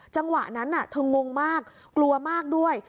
จังหวะนั้นเธองงมากกลัวมากด้วย